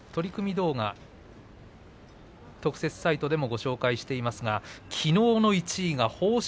動画特設サイトでもご紹介していますがきのうの１位が豊昇